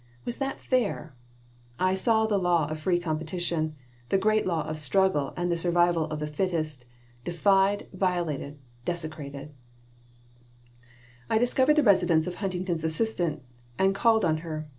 Was that fair? I saw the law of free competition, the great law of struggle and the survival of the fittest, defied, violated, desecrated I discovered the residence of Huntington's assistant, and called on her.